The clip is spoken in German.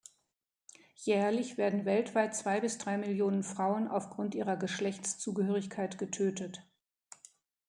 Jährlich werden weltweit zwei bis drei Millionen Frauen aufgrund ihrer Geschlechtszugehörigkeit getötet.